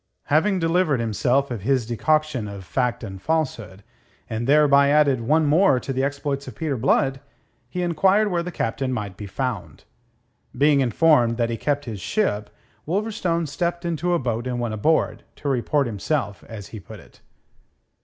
Having delivered himself of his decoction of fact and falsehood, and thereby added one more to the exploits of Peter Blood, he enquired where the Captain might be found. Being informed that he kept his ship, Wolverstone stepped into a boat and went aboard, to report himself, as he put it.